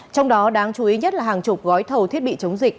trong đó đáng chú ý nhất là hàng chục gói thầu thiết bị chống dịch